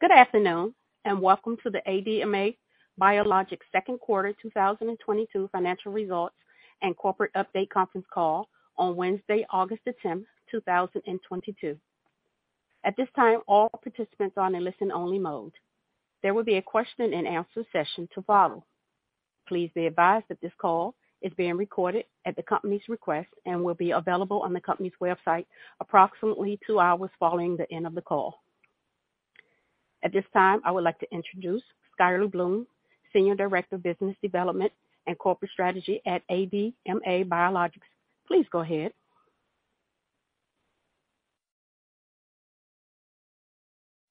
Good afternoon, and Welcome to the ADMA Biologics Second Quarter 2022 Financial Results and Corporate Update Conference Call on Wednesday, August 10, 2022. At this time, all participants are in listen-only mode. There will be a question and answer session to follow. Please be advised that this call is being recorded at the company's request and will be available on the company's website approximately two hours following the end of the call. At this time, I would like to introduce Skyler Bloom, Senior Director of Business Development and Corporate Strategy at ADMA Biologics. Please go ahead.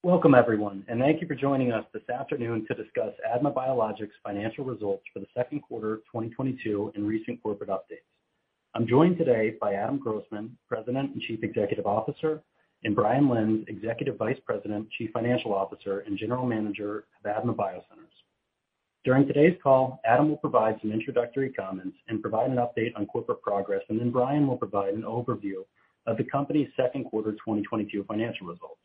Welcome, everyone, and thank you for joining us this afternoon to discuss ADMA Biologics' Financial Results for The Second Quarter of 2022 and Recent Corporate Updates. I'm joined today by Adam Grossman, President and Chief Executive Officer, and Brian Lenz, Executive Vice President, Chief Financial Officer, and General Manager of ADMA BioCenters. During today's call, Adam will provide some introductory comments and provide an update on Corporate progress, and then Brian will provide an overview of the company's second quarter 2022 financial results.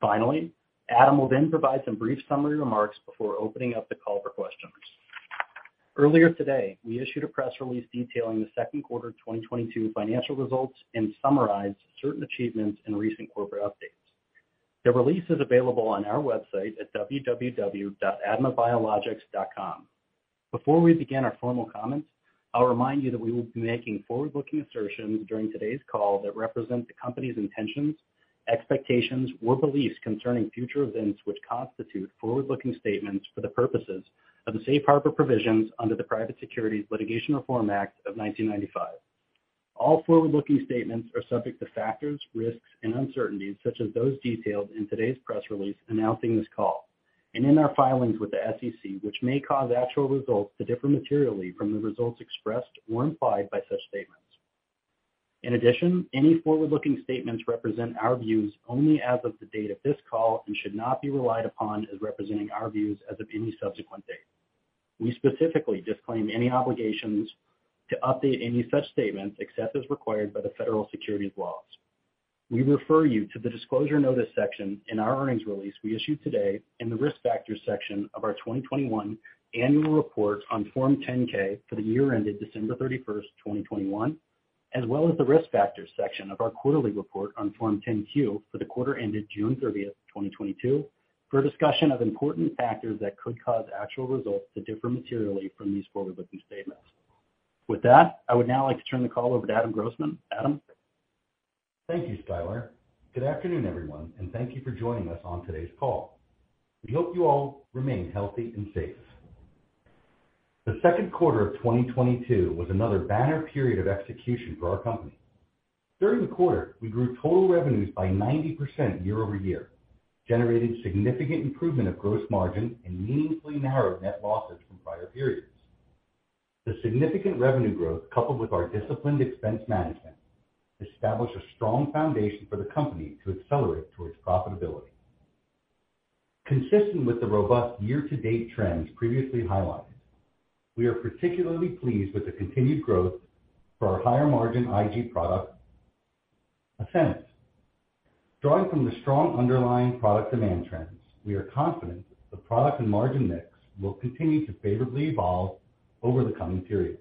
Finally, Adam will then provide some brief summary remarks before opening up the call for questions. Earlier today, we issued a press release detailing the second quarter 2022 financial results and summarized certain achievements and recent Corporate updates. The release is available on our website at www.admabiologics.com. Before we begin our formal comments, I'll remind you that we will be making forward-looking assertions during today's call that represent the company's intentions, expectations or beliefs concerning future events which constitute forward-looking statements for the purposes of the Safe Harbor provisions under the Private Securities Litigation Reform Act of 1995. All forward-looking statements are subject to factors, risks, and uncertainties such as those detailed in today's press release announcing this call and in our filings with the SEC, which may cause actual results to differ materially from the results expressed or implied by such statements. In addition, any forward-looking statements represent our views only as of the date of this call and should not be relied upon as representing our views as of any subsequent date. We specifically disclaim any obligations to update any such statements except as required by the federal securities laws. We refer you to the Disclosure Notice section in our earnings release we issued today in the Risk Factors section of our 2021 annual report on Form 10-K for the year ended December 31, 2021, as well as the Risk Factors section of our quarterly report on Form 10-Q for the quarter ended June 30, 2022 for a discussion of important factors that could cause actual results to differ materially from these forward-looking statements. With that, I would now like to turn the call over to Adam Grossman. Adam? Thank you, Skyler. Good afternoon, everyone, and thank you for joining us on today's call. We hope you all remain healthy and safe. The second quarter of 2022 was another banner period of execution for our company. During the quarter, we grew total revenues by 90% year-over-year, generating significant improvement of gross margin and meaningfully narrowed net losses from prior periods. The significant revenue growth, coupled with our disciplined expense management, established a strong foundation for the company to accelerate towards profitability. Consistent with the robust year-to-date trends previously highlighted, we are particularly pleased with the continued growth for our higher margin IG product, ASCENIV. Drawing from the strong underlying product demand trends, we are confident the product and margin mix will continue to favorably evolve over the coming periods.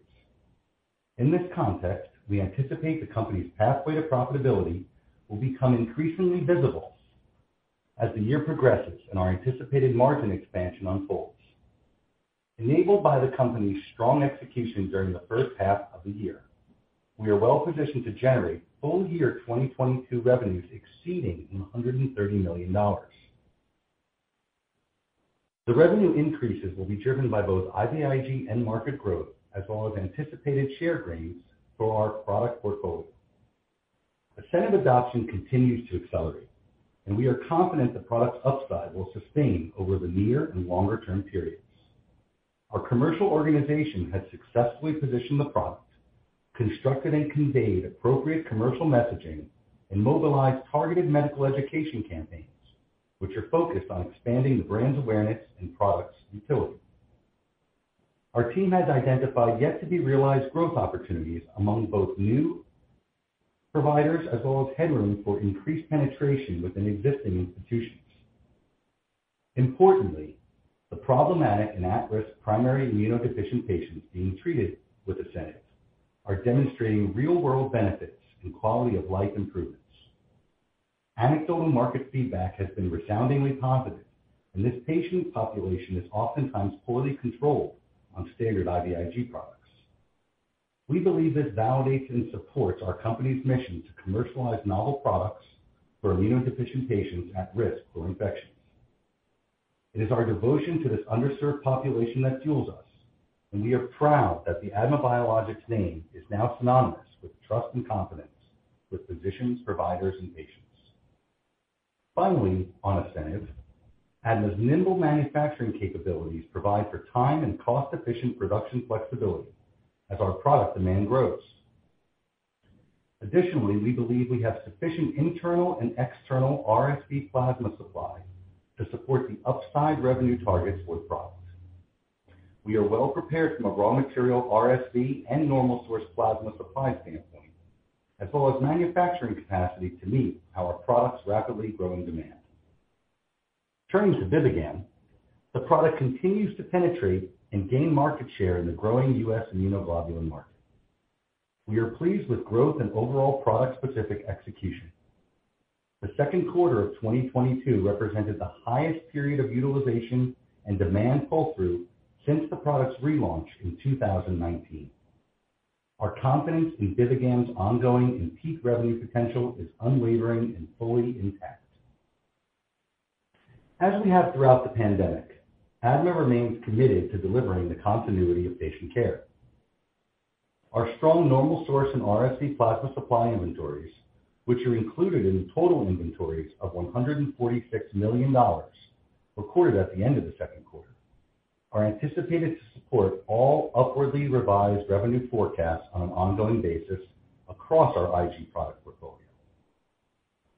In this context, we anticipate the company's pathway to profitability will become increasingly visible as the year progresses and our anticipated margin expansion unfolds. Enabled by the company's strong execution during the first half of the year, we are well positioned to generate full year 2022 revenues exceeding $130 million. The revenue increases will be driven by both IVIG and market growth as well as anticipated share gains for our product portfolio. ASCENIV adoption continues to accelerate, and we are confident the product's upside will sustain over the near and longer-term periods. Our commercial organization has successfully positioned the product, constructed and conveyed appropriate commercial messaging, and mobilized targeted medical education campaigns which are focused on expanding the brand's awareness and product's utility. Our team has identified yet to be realized growth opportunities among both new providers as well as headroom for increased penetration within existing institutions. Importantly, the problematic and at-risk primary immunodeficient patients being treated with ASCENIV are demonstrating real-world benefits and quality of life improvements. Anecdotal market feedback has been resoundingly positive, and this patient population is oftentimes poorly controlled on standard IVIG products. We believe this validates and supports our company's mission to commercialize novel products for immunodeficient patients at risk for infections. It is our devotion to this underserved population that fuels us, and we are proud that the ADMA Biologics name is now synonymous with trust and confidence with physicians, providers, and patients. Finally, on ASCENIV, ADMA's nimble manufacturing capabilities provide for time and cost-efficient production flexibility as our product demand grows. Additionally, we believe we have sufficient internal and external RSV plasma supply to support the upside revenue targets for the product. We are well prepared from a raw material RSV and normal source plasma supply standpoint, as well as manufacturing capacity to meet our products rapidly growing demand. Turning to BIVIGAM, the product continues to penetrate and gain market share in the growing U.S. immunoglobulin market. We are pleased with growth and overall product specific execution. The second quarter of 2022 represented the highest period of utilization and demand pull through since the product's relaunch in 2019. Our confidence in BIVIGAM's ongoing and peak revenue potential is unwavering and fully intact. As we have throughout the pandemic, ADMA remains committed to delivering the continuity of patient care. Our strong normal source and RSV plasma supply inventories, which are included in the total inventories of $146 million recorded at the end of the second quarter, are anticipated to support all upwardly revised revenue forecasts on an ongoing basis across our IG product portfolio.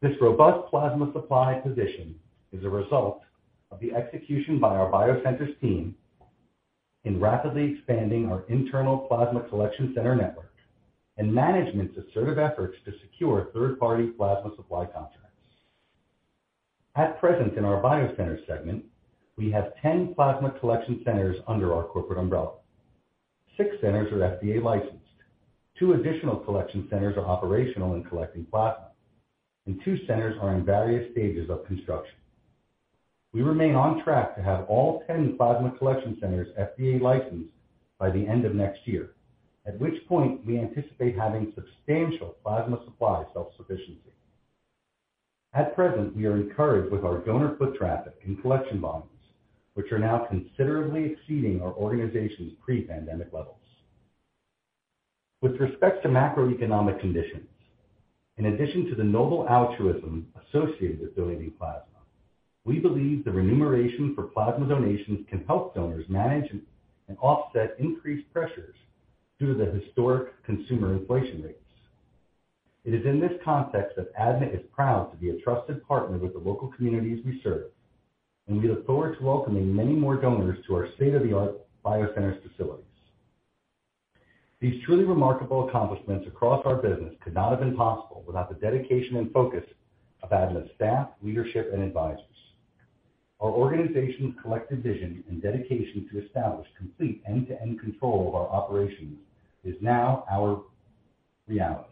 This robust plasma supply position is a result of the execution by our BioCenters team in rapidly expanding our internal Plasma Collection Center network and management's assertive efforts to secure third-party plasma supply contracts. At present in our BioCenters segment, we have 10 Plasma Collection Centers under our Corporate umbrella. Six centers are FDA licensed. Two additional collection centers are operational in collecting plasma, and two centers are in various stages of construction. We remain on track to have all 10 Plasma Collection Centers FDA licensed by the end of next year, at which point we anticipate having substantial plasma supply self-sufficiency. At present, we are encouraged with our donor foot traffic and collection volumes, which are now considerably exceeding our organization's pre-pandemic levels. With respect to macroeconomic conditions, in addition to the noble altruism associated with donating plasma, we believe the remuneration for plasma donations can help donors manage and offset increased pressures due to the historic consumer inflation rates. It is in this context that ADMA is proud to be a trusted partner with the local communities we serve, and we look forward to welcoming many more donors to our state-of-the-art BioCenters facilities. These truly remarkable accomplishments across our business could not have been possible without the dedication and focus of ADMA staff, leadership, and advisors. Our organization's collective vision and dedication to establish complete end-to-end control of our operations is now our reality.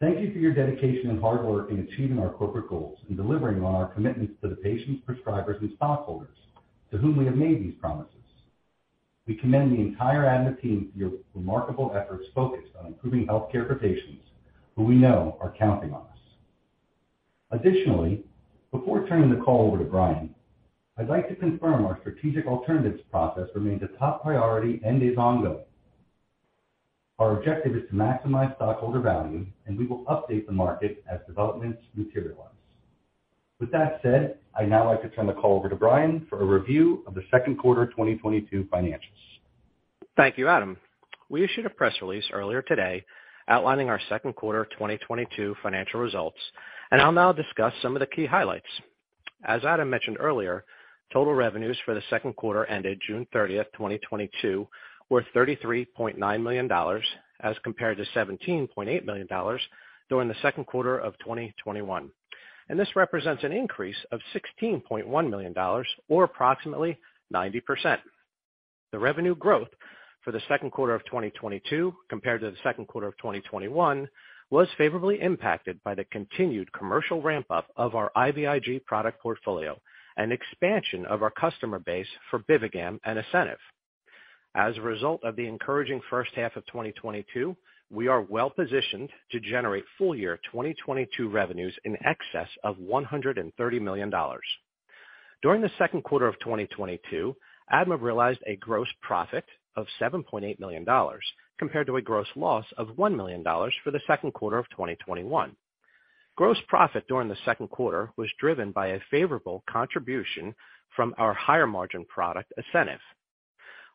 Thank you for your dedication and hard work in achieving our Corporate goals and delivering on our commitments to the patients, prescribers and stakeholders to whom we have made these promises. We commend the entire ADMA team for your remarkable efforts focused on improving health care for patients who we know are counting on us. Additionally, before turning the call over to Brian, I'd like to confirm our strategic alternatives process remains a top priority and is ongoing. Our objective is to maximize stockholder value, and we will update the market as developments materialize. With that said, I'd now like to turn the call over to Brian for a review of the second quarter 2022 financials. Thank you, Adam. We issued a press release earlier today outlining our second quarter 2022 financial results, and I'll now discuss some of the key highlights. As Adam mentioned earlier, total revenues for the second quarter ended June 30, 2022 were $33.9 million, as compared to $17.8 million during the second quarter of 2021. This represents an increase of $16.1 million, or approximately 90%. The revenue growth for the second quarter of 2022 compared to the second quarter of 2021 was favorably impacted by the continued commercial ramp up of our IVIG product portfolio and expansion of our customer base for BIVIGAM and ASCENIV. As a result of the encouraging first half of 2022, we are well positioned to generate full year 2022 revenues in excess of $130 million. During the second quarter of 2022, ADMA realized a gross profit of $7.8 million, compared to a gross loss of $1 million for the second quarter of 2021. Gross profit during the second quarter was driven by a favorable contribution from our higher-margin product, ASCENIV.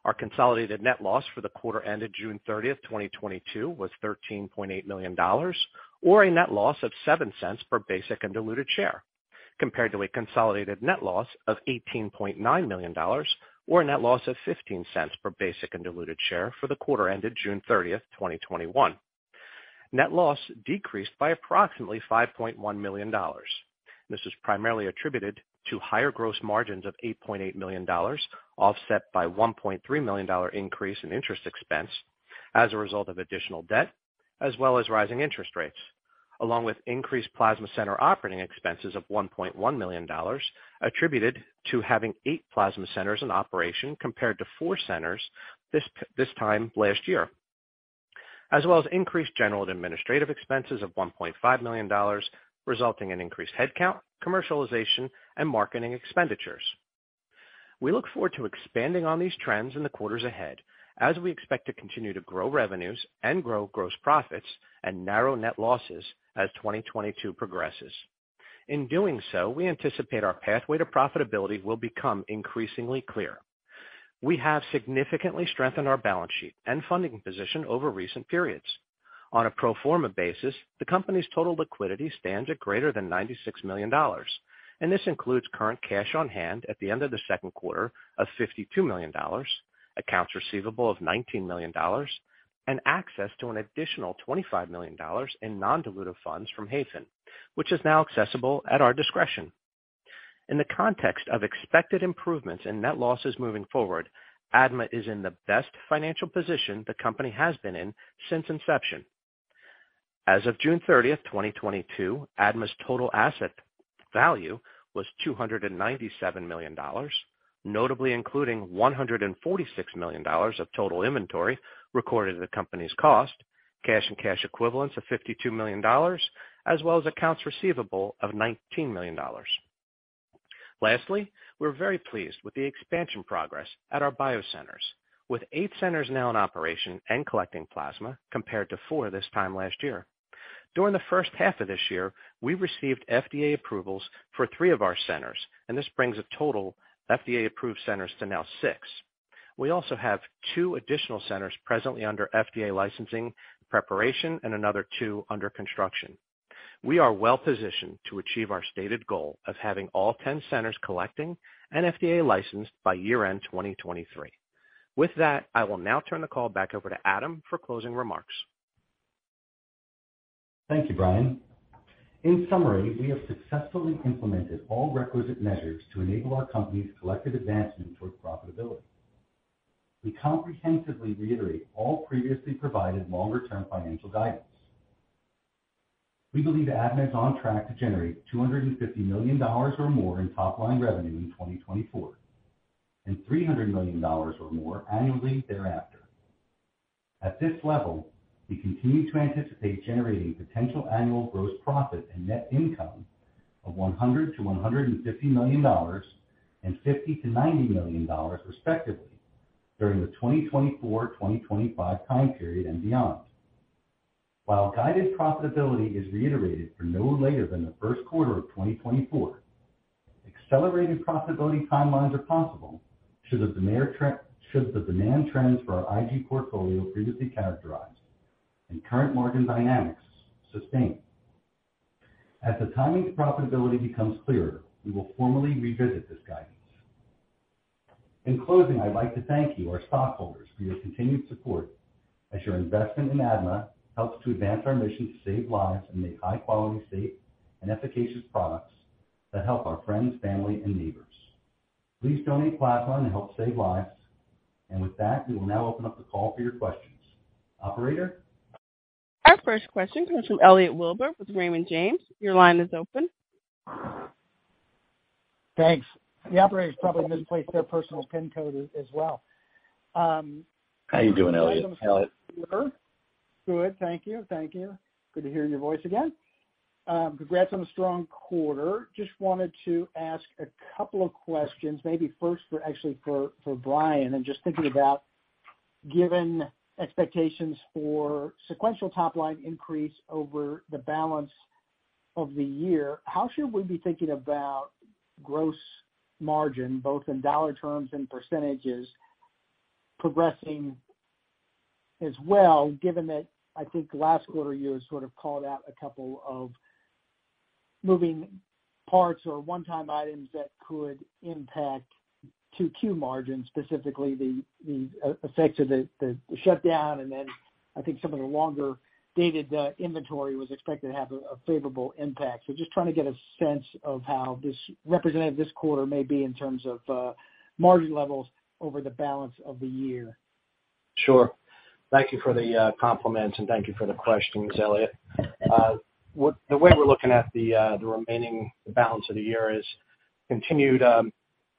Our consolidated net loss for the quarter ended June 30, 2022 was $13.8 million, or a net loss of $0.07 per basic and diluted share, compared to a consolidated net loss of $18.9 million, or a net loss of $0.15 per basic and diluted share for the quarter ended June 30, 2021. Net loss decreased by approximately $5.1 million. This is primarily attributed to higher gross margins of $8.8 million, offset by $1.3 million increase in interest expense as a result of additional debt, as well as rising interest rates, along with increased plasma center operating expenses of $1.1 million attributed to having eight plasma centers in operation compared to four centers this time last year. As well as increased general and administrative expenses of $1.5 million resulting in increased headcount, commercialization and marketing expenditures. We look forward to expanding on these trends in the quarters ahead as we expect to continue to grow revenues and grow gross profits and narrow net losses as 2022 progresses. In doing so, we anticipate our pathway to profitability will become increasingly clear. We have significantly strengthened our balance sheet and funding position over recent periods. On a pro forma basis, the company's total liquidity stands at greater than $96 million, and this includes current cash on hand at the end of the second quarter of $52 million, accounts receivable of $19 million, and access to an additional $25 million in non-dilutive funds from Hayfin, which is now accessible at our discretion. In the context of expected improvements in net losses moving forward, ADMA is in the best financial position the company has been in since inception. As of June 30, 2022, ADMA's total asset value was $297 million, notably including $146 million of total inventory recorded at the company's cost, cash and cash equivalents of $52 million, as well as accounts receivable of $19 million. Lastly, we're very pleased with the expansion progress at our BioCenters, with eight centers now in operation and collecting plasma compared to four this time last year. During the first half of this year, we received FDA approvals for three of our centers, and this brings a total FDA-approved centers to now six. We also have two additional centers presently under FDA licensing preparation and another two under construction. We are well-positioned to achieve our stated goal of having all 10 centers collecting and FDA licensed by year-end 2023. With that, I will now turn the call back over to Adam for closing remarks. Thank you, Brian. In summary, we have successfully implemented all requisite measures to enable our company's collective advancement towards profitability. We comprehensively reiterate all previously provided longer-term financial guidance. We believe ADMA is on track to generate $250 million or more in top line revenue in 2024 and $300 million or more annually thereafter. At this level, we continue to anticipate generating potential annual gross profit and net income of $100 million-$150 million and $50 million-$90 million, respectively, during the 2024, 2025 time period and beyond. While guided profitability is reiterated for no later than the first quarter of 2024, accelerated profitability timelines are possible should the demand trends for our IG portfolio previously characterized and current margin dynamics sustain. As the timing profitability becomes clearer, we will formally revisit this guidance. In closing, I'd like to thank you, our stockholders, for your continued support as your investment in ADMA helps to advance our mission to save lives and make high-quality, safe, and efficacious products that help our friends, family and neighbors. Please donate plasma and help save lives. With that, we will now open up the call for your questions. Operator? Our first question comes from Elliot Wilbur with Raymond James. Your line is open. Thanks. The operator's probably misplaced their personal pin code as well. How you doing, Elliot? Good, thank you. Thank you. Good to hear your voice again. Congrats on the strong quarter. Just wanted to ask a couple of questions, maybe first for, actually for Brian. I'm just thinking about, given expectations for sequential top line increase over the balance of the year, how should we be thinking about gross margin, both in dollar terms and BioCenters progressing as well, given that I think last quarter you had sort of called out a couple of moving parts or one-time items that could impact 2022 margins, specifically the effects of the shutdown, and then I think some of the longer-dated inventory was expected to have a favorable impact. Just trying to get a sense of how representative this quarter may be in terms of margin levels over the balance of the year. Sure. Thank you for the compliments, and thank you for the questions, Elliot. The way we're looking at the remaining balance of the year is continued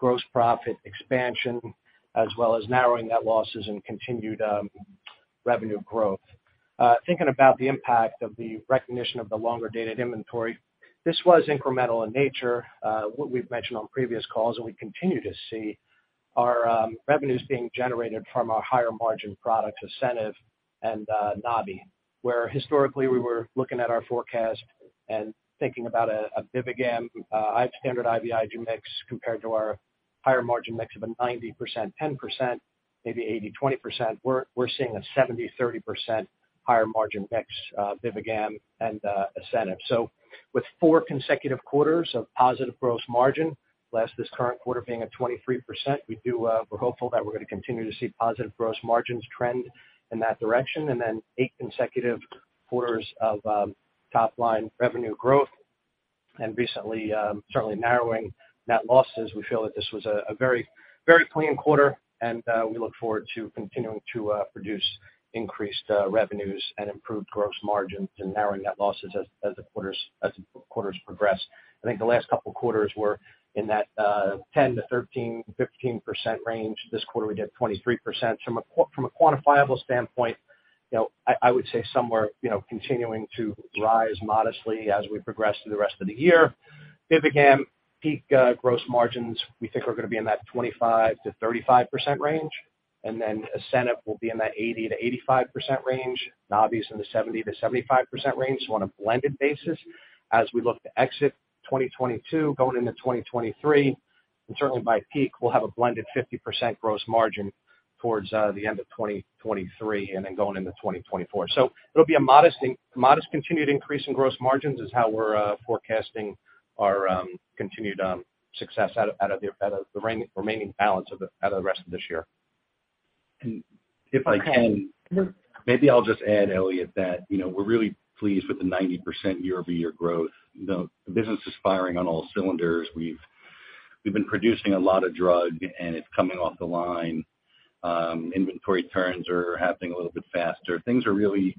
gross profit expansion as well as narrowing net losses and continued revenue growth. Thinking about the impact of the recognition of the longer-dated inventory, this was incremental in nature, what we've mentioned on previous calls, and we continue to see our revenues being generated from our higher margin products, ASCENIV and Nabi-HB, where historically we were looking at our forecast and thinking about a BIVIGAM high standard IVIG mix compared to our higher margin mix of a 90%, 10%, maybe 80%, 20%. We're seeing a 70%, 30% higher margin mix, BIVIGAM and ASCENIV. With four consecutive quarters of positive gross margin, plus this current quarter being at 23%, we're hopeful that we're gonna continue to see positive gross margins trend in that direction. Then eight consecutive quarters of top line revenue growth and recently certainly narrowing net losses. We feel that this was a very clean quarter and we look forward to continuing to produce increased revenues and improved gross margins and narrowing net losses as the quarters progress. I think the last couple quarters were in that 10%-13%, 15% range. This quarter, we did 23%. From a quantifiable standpoint, you know, I would say somewhere, you know, continuing to rise modestly as we progress through the rest of the year. BIVIGAM peak gross margins, we think we're gonna be in that 25%-35% range, and then ASCENIV will be in that 80%-85% range. Nabi-HB's in the 70%-75% range. On a blended basis, as we look to exit 2022 going into 2023. Certainly by peak, we'll have a blended 50% gross margin towards the end of 2023 and then going into 2024. It'll be a modest continued increase in gross margins is how we're forecasting our continued success out of the rest of this year. If I can, maybe I'll just add, Elliot, that, you know, we're really pleased with the 90% year-over-year growth. The business is firing on all cylinders. We've been producing a lot of drug, and it's coming off the line. Inventory turns are happening a little bit faster. Things are really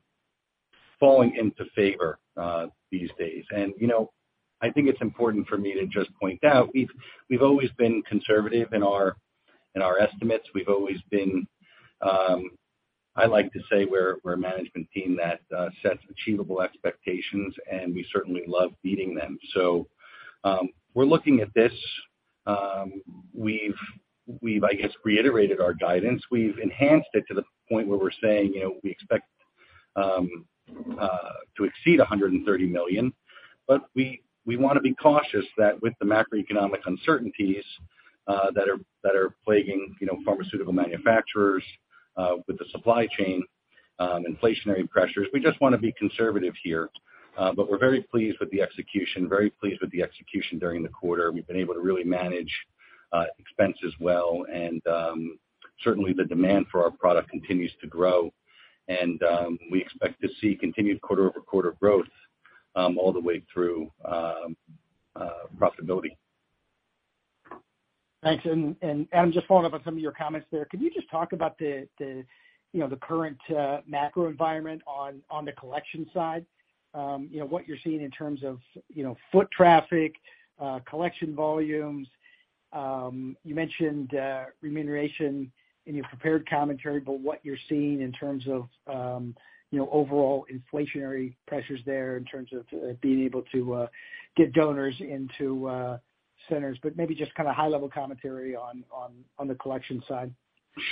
falling into favor these days. You know, I think it's important for me to just point out, we've always been conservative in our estimates. We've always been. I like to say we're a management team that sets achievable expectations, and we certainly love beating them. We're looking at this. We've, I guess, reiterated our guidance. We've enhanced it to the point where we're saying, you know, we expect to exceed $130 million, but we wanna be cautious that with the macroeconomic uncertainties that are plaguing, you know, pharmaceutical manufacturers with the supply chain, inflationary pressures, we just wanna be conservative here. But we're very pleased with the execution, very pleased with the execution during the quarter. We've been able to really manage expenses well, and certainly the demand for our product continues to grow. We expect to see continued quarter-over-quarter growth all the way through profitability. Thanks. Adam, just following up on some of your comments there, could you just talk about the you know the current macro environment on the collection side? You know, what you're seeing in terms of you know foot traffic collection volumes. You mentioned remuneration in your prepared commentary, but what you're seeing in terms of you know overall inflationary pressures there in terms of being able to get donors into centers. Maybe just kind of high-level commentary on the collection side.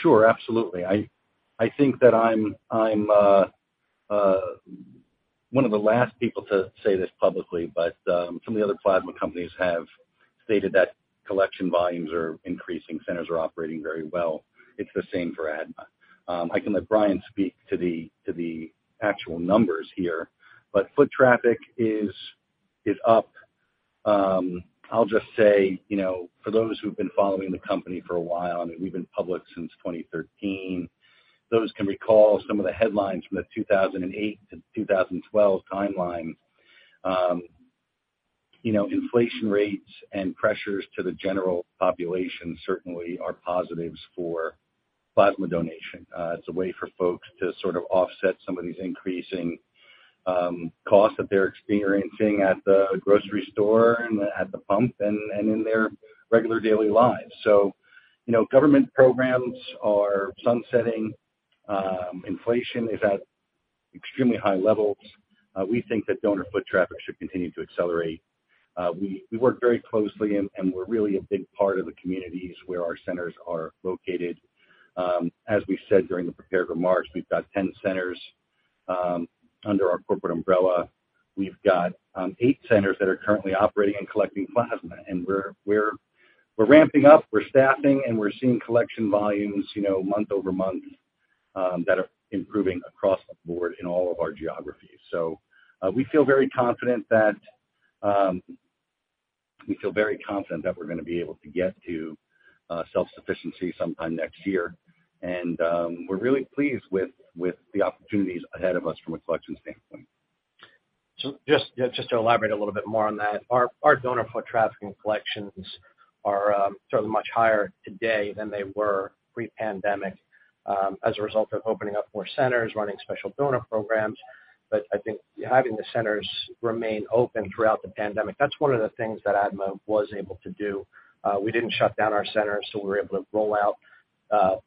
Sure, absolutely. I think that I'm one of the last people to say this publicly, but some of the other plasma companies have stated that collection volumes are increasing, centers are operating very well. It's the same for ADMA. I can let Brian speak to the actual numbers here, but foot traffic is up. I'll just say, you know, for those who've been following the company for a while, I mean, we've been public since 2013, those who can recall some of the headlines from the 2008 to 2012 timeline. You know, inflation rates and pressures to the general population certainly are positives for plasma donation. It's a way for folks to sort of offset some of these increasing costs that they're experiencing at the grocery store and at the pump and in their regular daily lives. You know, government programs are sunsetting, inflation is at extremely high levels. We think that donor foot traffic should continue to accelerate. We work very closely and we're really a big part of the communities where our centers are located. As we said during the prepared remarks, we've got 10 centers under our Corporate umbrella. We've got 8 centers that are currently operating and collecting plasma. We're ramping up, we're staffing, and we're seeing collection volumes, you know, month-over-month that are improving across the board in all of our geographies. We feel very confident that we're gonna be able to get to self-sufficiency sometime next year. We're really pleased with the opportunities ahead of us from a collections standpoint. Just, yeah, just to elaborate a little bit more on that, our donor foot traffic and collections are certainly much higher today than they were pre-pandemic, as a result of opening up more centers, running special donor programs. I think having the centers remain open throughout the pandemic, that's one of the things that ADMA was able to do. We didn't shut down our centers, so we were able to roll out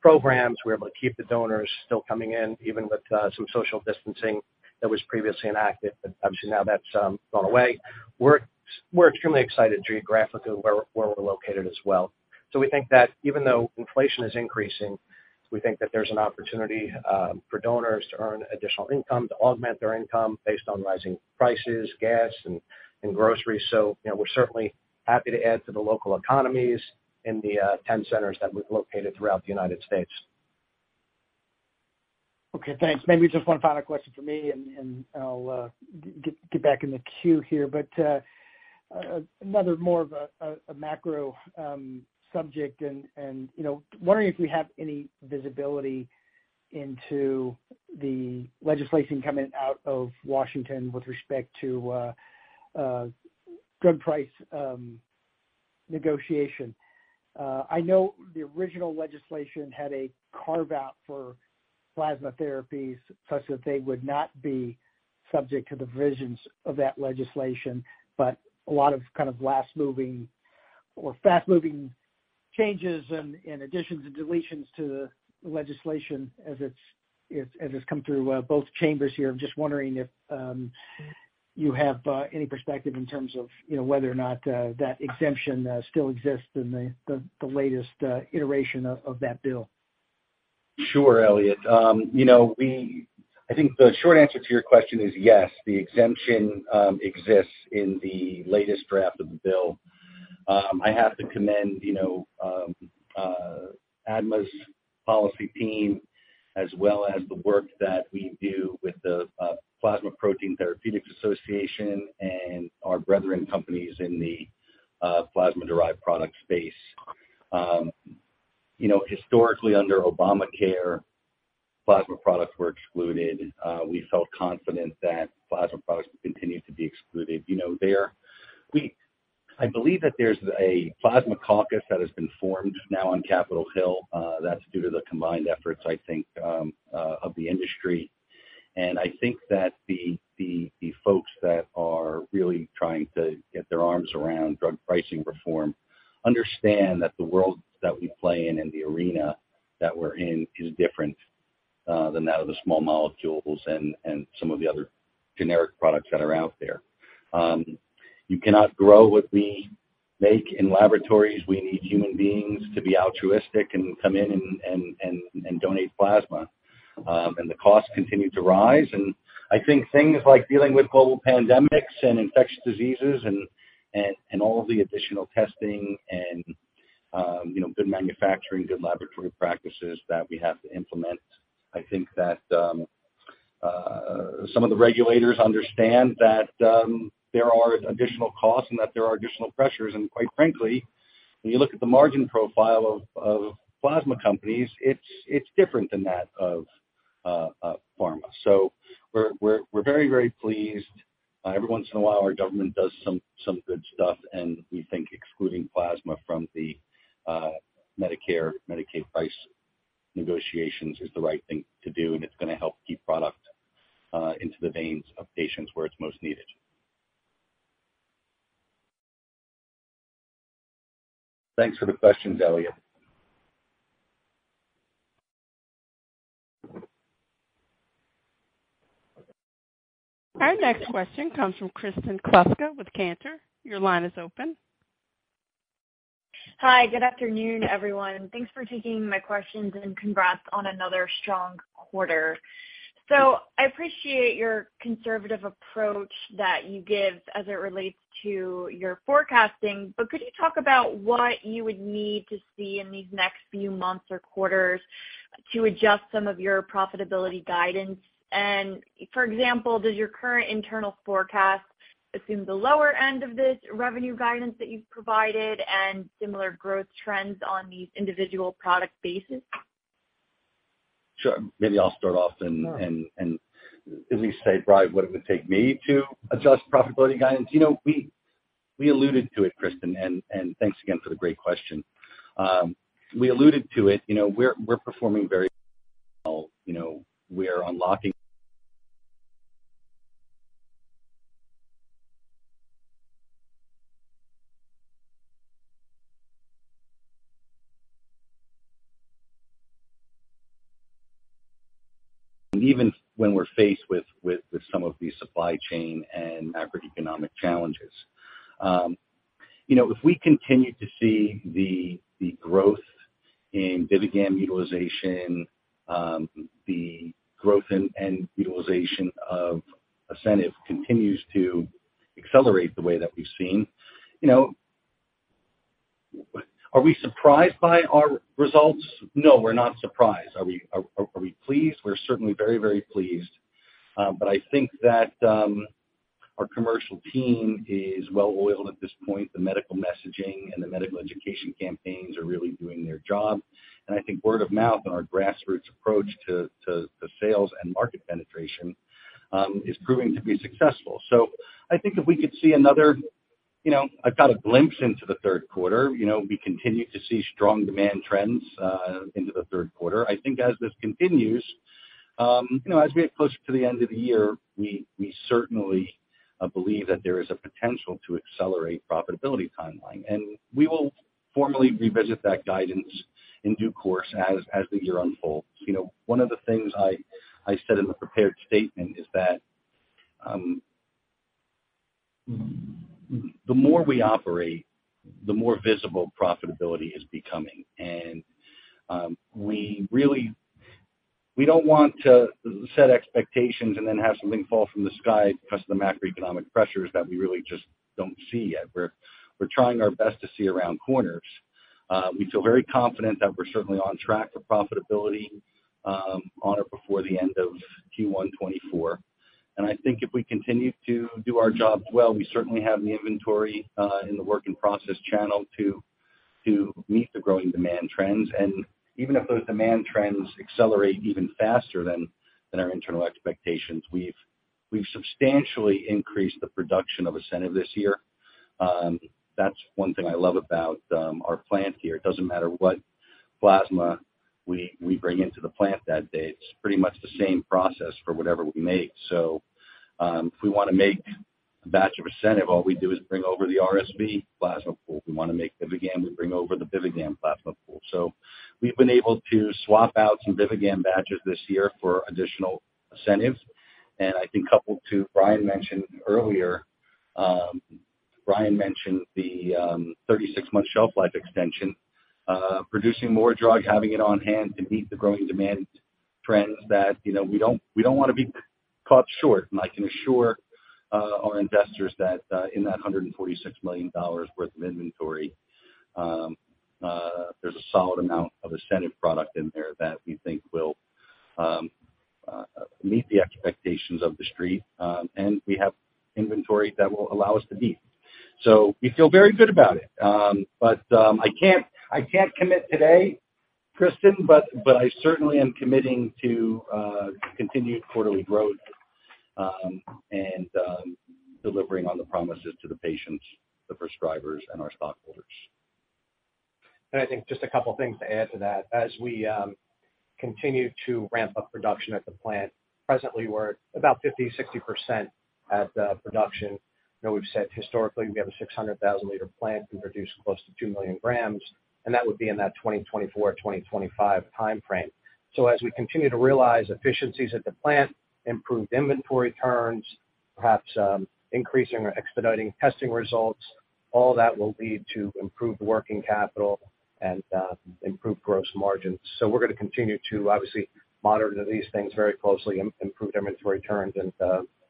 programs. We were able to keep the donors still coming in, even with some social distancing that was previously enacted, but obviously now that's gone away. We're extremely excited geographically where we're located as well. We think that even though inflation is increasing, we think that there's an opportunity for donors to earn additional income, to augment their income based on rising prices, gas, and groceries. You know, we're certainly happy to add to the local economies in the 10 centers that we've located throughout the United States. Okay, thanks. Maybe just one final question from me, and I'll get back in the queue here. Another, more of a macro subject, and you know, wondering if we have any visibility into the legislation coming out of Washington with respect to drug price negotiation. I know the original legislation had a carve-out for plasma therapies such that they would not be subject to the provisions of that legislation, but a lot of kind of last-minute or fast-moving changes and additions and deletions to the legislation as it's come through both chambers here. I'm just wondering if you have any perspective in terms of, you know, whether or not that exemption still exists in the latest iteration of that bill. Sure, Elliot. You know, I think the short answer to your question is yes, the exemption exists in the latest draft of the bill. I have to commend, you know, ADMA's policy team, as well as the work that we do with the Plasma Protein Therapeutics Association and our brethren companies in the plasma-derived product space. You know, historically, under Obamacare, plasma products were excluded. We felt confident that plasma products would continue to be excluded. I believe that there's a Plasma Caucus that has been formed now on Capitol Hill. That's due to the combined efforts, I think, of the industry. I think that the folks that are really trying to get their arms around drug pricing reform understand that the world that we play in and the arena that we're in is different than that of the small molecules and some of the other generic products that are out there. You cannot grow what we make in laboratories. We need human beings to be altruistic and come in and donate plasma. The costs continue to rise. I think things like dealing with global pandemics and infectious diseases and all of the additional testing and you know, good manufacturing, good laboratory practices that we have to implement. I think that some of the regulators understand that there are additional costs and that there are additional pressures. Quite frankly, when you look at the margin profile of plasma companies, it's different than that of pharma. We're very pleased. Every once in a while, our government does some good stuff, and we think excluding plasma from the Medicare/Medicaid price negotiations is the right thing to do, and it's gonna help keep product into the veins of patients where it's most needed. Thanks for the questions, Elliot. Our next question comes from Kristen Kluska with Cantor. Your line is open. Hi. Good afternoon, everyone. Thanks for taking my questions, and congrats on another strong quarter. I appreciate your conservative approach that you give as it relates to your forecasting, but could you talk about what you would need to see in these next few months or quarters to adjust some of your profitability guidance? For example, does your current internal forecast assume the lower end of this revenue guidance that you've provided and similar growth trends on these individual product bases? Sure. Maybe I'll start off and at least say, Brian, what it would take me to adjust profitability guidance. You know, we alluded to it, Kristen, and thanks again for the great question. We alluded to it. You know, we're performing very well. You know, we are unlocking even when we're faced with some of these supply chain and macroeconomic challenges. You know, if we continue to see the growth in BIVIGAM utilization, the growth and utilization of ASCENIV continues to accelerate the way that we've seen. You know, are we surprised by our results? No, we're not surprised. Are we pleased? We're certainly very, very pleased. I think that our commercial team is well oiled at this point. The medical messaging and the medical education campaigns are really doing their job. I think word of mouth and our grassroots approach to sales and market penetration is proving to be successful. I think if we could see another, you know, I've got a glimpse into the third quarter. You know, we continue to see strong demand trends into the third quarter. I think as this continues, you know, as we get closer to the end of the year, we certainly believe that there is a potential to accelerate profitability timeline. We will formally revisit that guidance in due course as the year unfolds. You know, one of the things I said in the prepared statement is that the more we operate, the more visible profitability is becoming. We don't want to set expectations and then have something fall from the sky because of the macroeconomic pressures that we really just don't see yet. We're trying our best to see around corners. We feel very confident that we're certainly on track for profitability on or before the end of Q1 2024. I think if we continue to do our jobs well, we certainly have the inventory in the work in process channel to meet the growing demand trends. Even if those demand trends accelerate even faster than our internal expectations, we've substantially increased the production of ASCENIV this year. That's one thing I love about our plant here. It doesn't matter what plasma we bring into the plant that day. It's pretty much the same process for whatever we make. If we wanna make a batch of ASCENIV, all we do is bring over the RSV plasma pool. We wanna make BIVIGAM, we bring over the BIVIGAM plasma pool. We've been able to swap out some BIVIGAM batches this year for additional ASCENIV. I think coupled with what Brian mentioned earlier, Brian mentioned the 36-month shelf life extension. Producing more drug, having it on hand to meet the growing demand trends that you know we don't wanna be caught short. I can assure our investors that in that $146 million worth of inventory, there's a solid amount of ASCENIV product in there that we think will meet the expectations of the street, and we have inventory that will allow us to meet. We feel very good about it. I can't commit today, Kristen, but I certainly am committing to continued quarterly growth, and delivering on the promises to the patients, the prescribers and our stockholders. I think just a couple of things to add to that. As we continue to ramp up production at the plant, presently we're about 50-60% at the production. You know, we've said historically we have a 600,000-liter plant, we produce close to 2 million grams, and that would be in that 2024-2025 timeframe. As we continue to realize efficiencies at the plant, improved inventory turns, perhaps increasing or expediting testing results, all that will lead to improved working capital and improved gross margins. We're gonna continue to obviously monitor these things very closely, improve inventory turns and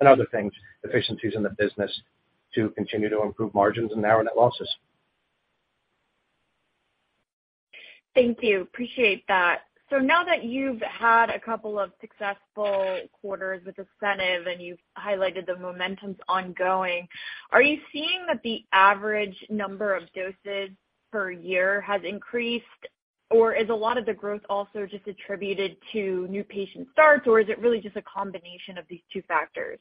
other things, efficiencies in the business to continue to improve margins and narrow net losses. Thank you. Appreciate that. Now that you've had a couple of successful quarters with ASCENIV and you've highlighted the momentum's ongoing, are you seeing that the average number of doses per year has increased? Or is a lot of the growth also just attributed to new patient starts? Or is it really just a combination of these two factors?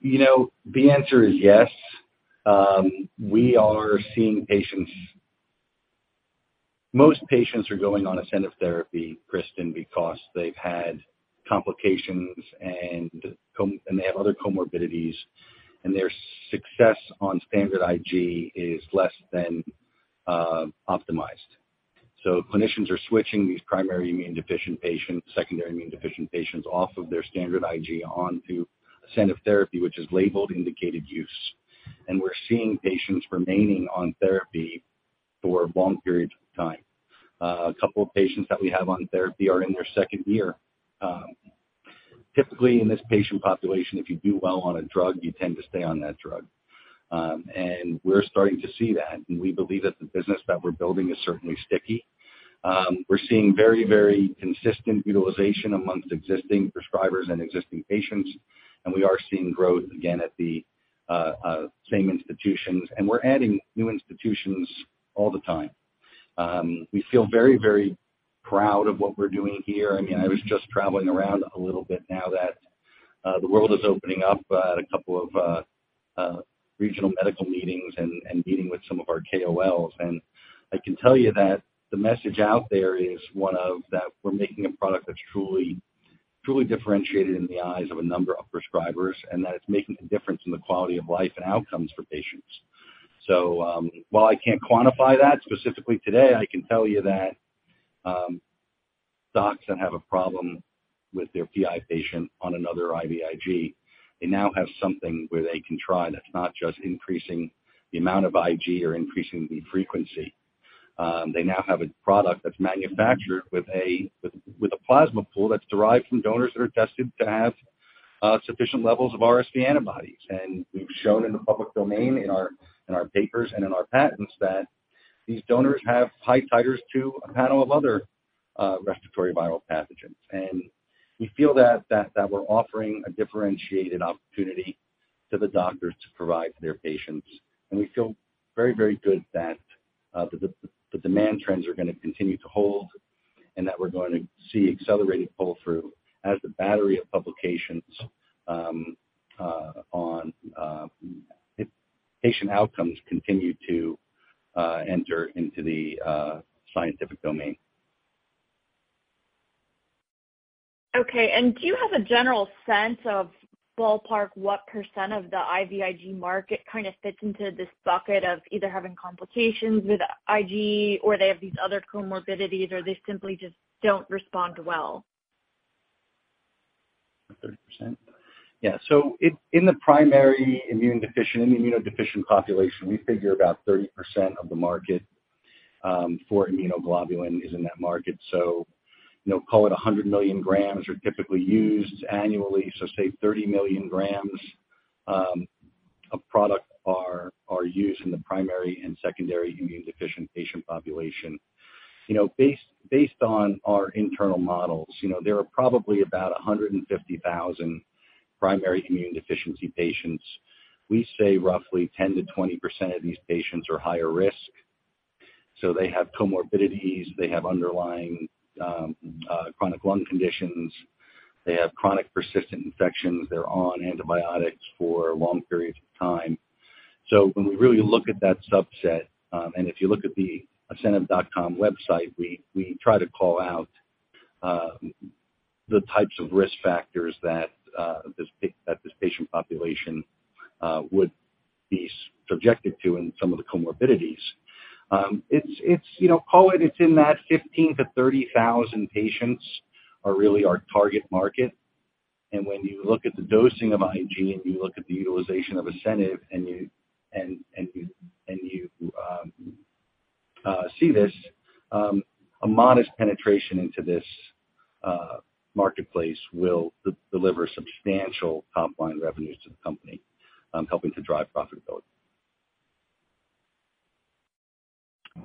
You know, the answer is yes. We are seeing patients. Most patients are going on ASCENIV therapy, Kristen, because they've had complications and they have other comorbidities, and their success on standard IG is less than optimized. Clinicians are switching these primary immune deficient patients, secondary immune deficient patients off of their standard IG onto ASCENIV therapy, which is labeled indicated use. We're seeing patients remaining on therapy for long periods of time. A couple of patients that we have on therapy are in their second year. Typically in this patient population, if you do well on a drug, you tend to stay on that drug. We're starting to see that, and we believe that the business that we're building is certainly sticky. We're seeing very, very consistent utilization amongst existing prescribers and existing patients, and we are seeing growth again at the same institutions, and we're adding new institutions all the time. We feel very, very proud of what we're doing here. I mean, I was just traveling around a little bit now that the world is opening up at a couple of regional medical meetings and meeting with some of our KOLs. I can tell you that the message out there is one that we're making a product that's truly differentiated in the eyes of a number of prescribers, and that it's making a difference in the quality of life and outcomes for patients. While I can't quantify that specifically today, I can tell you that, docs that have a problem with their PI patient on another IVIG, they now have something where they can try that's not just increasing the amount of IG or increasing the frequency. They now have a product that's manufactured with a plasma pool that's derived from donors that are tested to have sufficient levels of RSV antibodies. We've shown in the public domain in our papers and in our patents that these donors have high titers to a panel of other respiratory viral pathogens. We feel that we're offering a differentiated opportunity to the doctors to provide to their patients. We feel very, very good that the demand trends are gonna continue to hold and that we're going to see accelerated pull-through as the battery of publications on improved patient outcomes continue to enter into the scientific domain. Okay. Do you have a general sense of ballpark what % of the IVIG market kind of fits into this bucket of either having complications with IG or they have these other comorbidities or they simply just don't respond well? 30%. Yeah. In the primary immunodeficiency in the immunodeficient population, we figure about 30% of the market for immunoglobulin is in that market. You know, call it 100 million grams are typically used annually. Say 30 million grams of product are used in the primary and secondary immunodeficiency patient population. You know, based on our internal models, you know, there are probably about 150,000 primary immune deficiency patients. We say roughly 10%-20% of these patients are higher risk, so they have comorbidities, they have underlying chronic lung conditions, they have chronic persistent infections. They're on antibiotics for long periods of time. When we really look at that subset, and if you look at the asceniv.com website, we try to call out the types of risk factors that this patient population would be subjected to and some of the comorbidities. It's, you know, call it's in that 15,000-30,000 patients are really our target market. When you look at the dosing of IG, and you look at the utilization of ASCENIV, and you see this, a modest penetration into this marketplace will deliver substantial top-line revenues to the company, helping to drive profitability.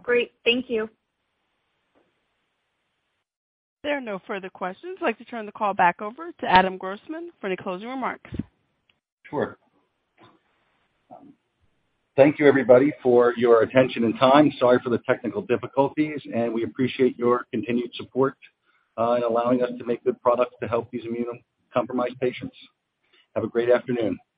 Great. Thank you. There are no further questions. I'd like to turn the call back over to Adam Grossman for any closing remarks. Sure. Thank you everybody for your attention and time. Sorry for the technical difficulties, and we appreciate your continued support in allowing us to make good products to help these immunocompromised patients. Have a great afternoon.